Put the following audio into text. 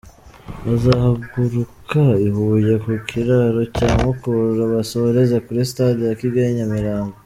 Bazahaguruka i Huye ku kiraro cya Mukura basoreze kuri stade ya Kigali i Nyamirambo.